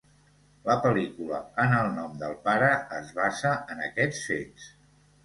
La pel·lícula "En el nom del pare" es basa en aquests fets.